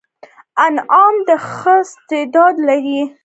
انعام د ښه استعداد لري.